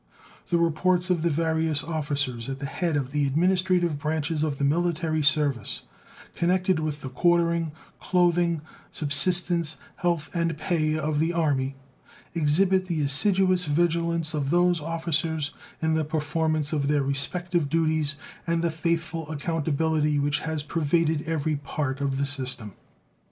The reports of the various officers at the head of the administrative branches of the military service, connected with the quartering, clothing, subsistence, health, and pay of the Army, exhibit the assiduous vigilance of those officers in the performance of their respective duties, and the faithful accountability which has pervaded every part of the system.